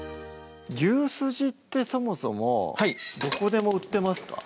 牛すじってそもそもどこでも売ってますか？